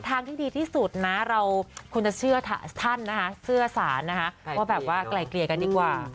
ทางที่ดีที่สุดนะเราควรจะเชื่อท่านนะคะเชื่อสารนะคะว่าแบบว่าไกลเกลี่ยกันดีกว่า